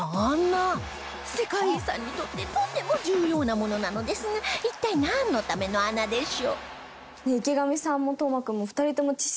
世界遺産にとってとても重要なものなのですが一体なんのための穴でしょう？